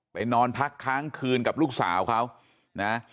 นอนพักค้างคืนกับลูกสาวเขานะ